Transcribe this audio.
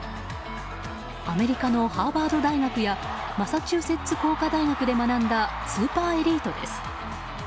アメリカのハーバード大学やマサチューセッツ工科大学で学んだスーパーエリートです。